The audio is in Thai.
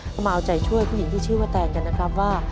ก็มาเอาใจช่วยผู้หญิงที่ชื่อว่าแตนกันนะครับว่า